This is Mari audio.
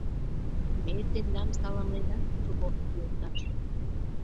Ме тендам саламлена, Суворов йолташ!